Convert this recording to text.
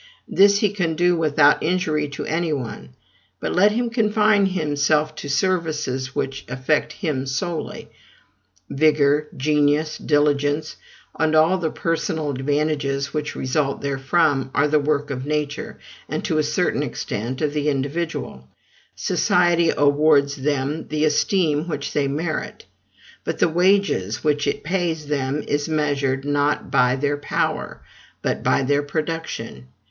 This he can do without injury to any one: but let him confine himself to services which affect him solely. Vigor, genius, diligence, and all the personal advantages which result therefrom, are the work of Nature and, to a certain extent, of the individual; society awards them the esteem which they merit: but the wages which it pays them is measured, not by their power, but by their production.